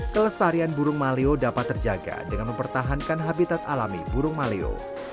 kelestarian burung maleo dapat terjaga dengan mempertahankan habitat alami burung maleo